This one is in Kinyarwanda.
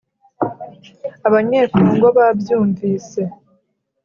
Abanyekongo babyumvise